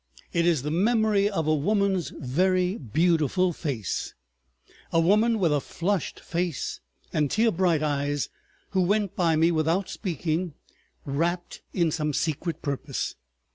It is the memory of a woman's very beautiful face, a woman with a flushed face and tear bright eyes who went by me without speaking, rapt in some secret purpose.